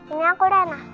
ini aku rena